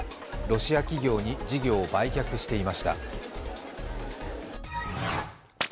ロシア企業に事業を売却していました。